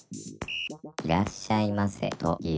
「いらっしゃいませと言う」